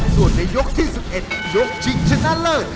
ส่วนในยกที่๑๑ยกชิงชนะเลิศ